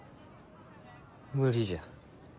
無理じゃ。